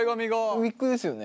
ウィッグですよね？